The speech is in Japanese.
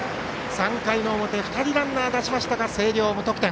３回の表、２人ランナーを出しましたが星稜、無得点。